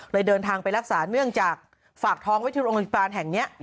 เดินทางไปรักษาเนื่องจากฝากท้องไว้ที่โรงพยาบาลแห่งนี้